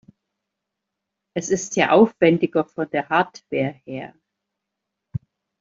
Es ist ja aufwendiger von der Hardware her.